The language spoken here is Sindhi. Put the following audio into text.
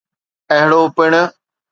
اهڙو پڻ